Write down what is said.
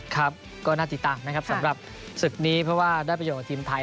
ครับก็น่าติดตามนะครับสำหรับศึกนี้เพราะว่าได้ประโยชนกับทีมไทย